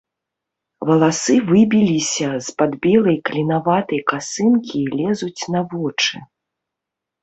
Валасы выбіліся з-пад белай клінаватай касынкі і лезуць на вочы.